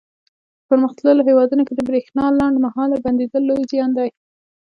په پرمختللو هېوادونو کې د برېښنا لنډ مهاله بندېدل لوی زیان دی.